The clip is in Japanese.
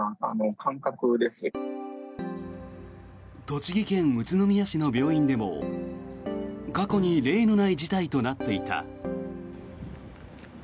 栃木県宇都宮市の病院でも過去に例のない事態となっていた。